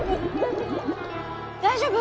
大丈夫？